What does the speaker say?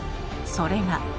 それが。